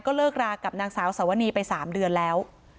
เลิกรากับนางสาวสวนีไป๓เดือนแล้ว